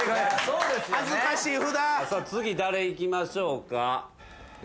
次誰いきましょうか？